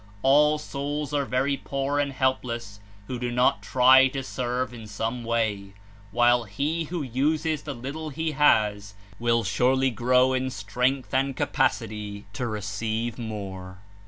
All souls are very poor and helpless who do not try to serve in some way, while he who uses the little he has will surely grow In strength and capacity to receive more.